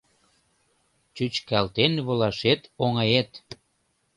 Чӱчкалтен волашет оҥает.